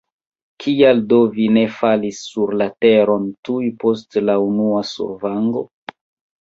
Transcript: Kial do vi ne falis sur la teron tuj post la unua survango?